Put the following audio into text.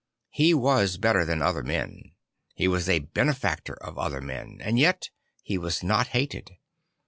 He was better than other men; he was a benefactor of other men; and yet he was not hated.